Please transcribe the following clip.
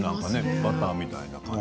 バターみたいな。